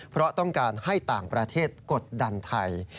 เพราะต้องการให้ต่างประเทศกดดันไทย